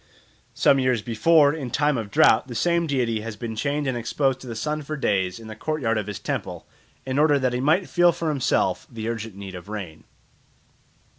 Some years before, in time of drought, the same deity had been chained and exposed to the sun for days in the courtyard of his temple in order that he might feel for himself the urgent need of rain.